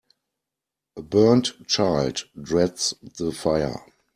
A burnt child dreads the fire.